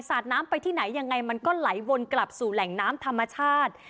ดน้ำไปที่ไหนยังไงมันก็ไหลวนกลับสู่แหล่งน้ำธรรมชาติ